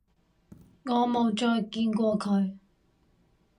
我冇再見過佢